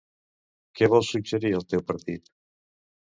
Què vol suggerir el seu partit?